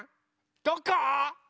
どこ？